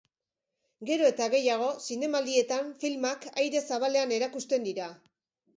Gero eta gehiago, zinemaldietan filmak aire zabalean erakusten dira.